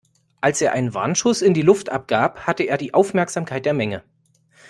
Als er einen Warnschuss in die Luft abgab, hatte er die Aufmerksamkeit der Menge.